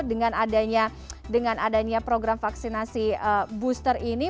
dengan adanya program vaksinasi booster ini